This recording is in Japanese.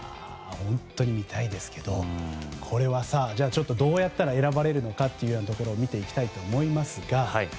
本当に見たいですけどこれは、どうやったら選ばれるのか見ていきたいと思いますが。